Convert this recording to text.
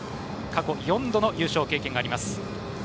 過去４度の優勝経験があります。